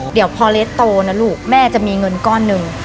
เดี๋ยวพอเลสโตนะลูกแม่จะมีเงินก้อนหนึ่ง